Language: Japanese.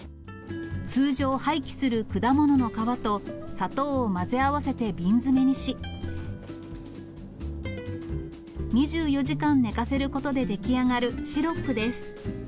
通常廃棄する果物の皮と、砂糖を混ぜ合わせて瓶詰にし、２４時間寝かせることで出来上がるシロップです。